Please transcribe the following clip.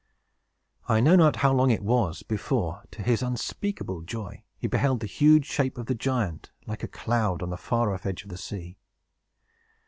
I know not how long it was before, to his unspeakable joy, he beheld the huge shape of the giant, like a cloud, on the far off edge of the sea.